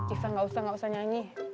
iva gak usah ngausah nyanyi